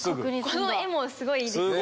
この絵もすごいいいですね。